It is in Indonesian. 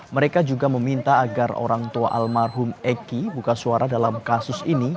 mereka juga meminta agar orang tua almarhum eki buka suara dalam kasus ini